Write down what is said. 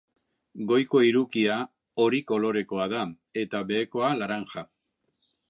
Goiko hirukia hori kolorekoa da eta behekoa laranja.